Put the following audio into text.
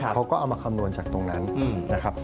เขาก็เอามาคำนวณจากตรงนั้นนะครับ